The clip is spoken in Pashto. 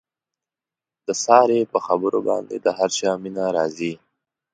د سارې په خبرو باندې د هر چا مینه راځي.